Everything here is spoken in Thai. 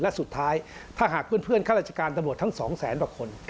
และสุดท้ายถ้าหากเพื่อนข้าราชการตำรวจทั้ง๒แสนกว่าคน